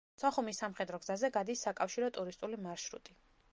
სოხუმის სამხედრო გზაზე გადის საკავშირო ტურისტული მარშრუტი.